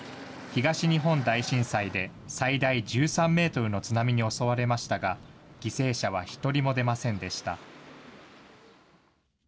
東日本大震災で最大１３メートルの津波に襲われましたが、犠牲者は１人も出ませんでした。